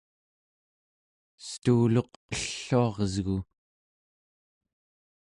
estuuluq elluaresgu